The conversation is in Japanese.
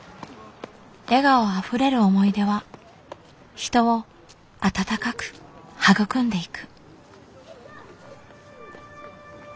笑顔あふれる思い出は人を温かく育んでいく。